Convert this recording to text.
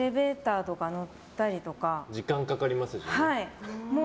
時間かかりますしね。